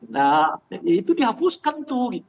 nah itu dihapuskan tuh